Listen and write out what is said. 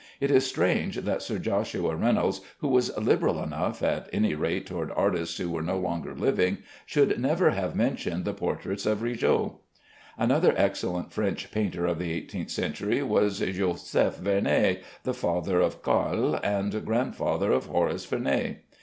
It is strange that Sir Joshua Reynolds, who was liberal enough (at any rate toward artists who were no longer living), should never have mentioned the portraits of Rigaud. Another excellent French painter of the eighteenth century was Joseph Vernet, the father of Carle and grandfather of Horace Vernet.